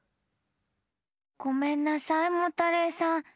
ごめんなさいモタレイさん。